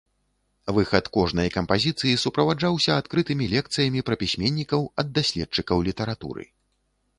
Выхад кожнай кампазіцыі суправаджаўся адкрытымі лекцыямі пра пісьменнікаў ад даследчыкаў літаратуры.